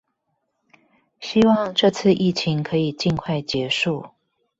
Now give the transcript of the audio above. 希望這次疫情可以盡快結束